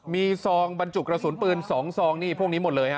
มีซองบรรจุกระสุนปืน๒ซองนี่พวกนี้หมดเลยฮ